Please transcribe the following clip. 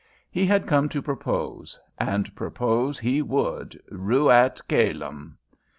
He had come to propose, and propose he would, ruat coelum.